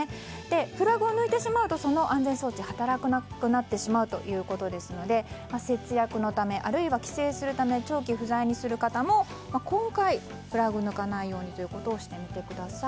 プラグを抜いてしまうとその安全装置が働かなくなってしまうということですので節約のため、あるいは帰省するため長期不在にする方も今回、プラグを抜かないようにということをしてみてください。